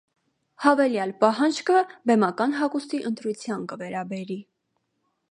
Յաւելեալ պահանջքը բեմական հագուստի ընտրութեան կը վերաբերի։